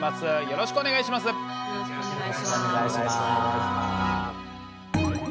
よろしくお願いします。